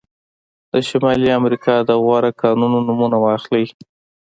د شمالي امریکا د غوره کانونه نومونه واخلئ.